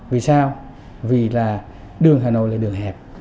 vì sao vì là đường hà nội là đường hẹp